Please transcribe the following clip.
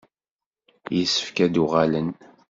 Yessefk ad d-uɣalen.